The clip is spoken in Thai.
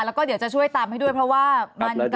แล้วก็เดี๋ยวจะช่วยตามให้ด้วยเพราะว่ามัน